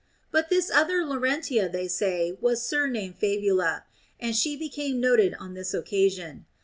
But this other Lauren tia, they say, was surnamed Fabula, and she became noted on this occasion.